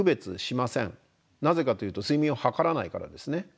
なぜかというと睡眠を測らないからですね。